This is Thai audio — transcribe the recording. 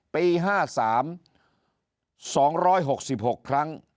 ปี๕๓๒๖๖ครั้ง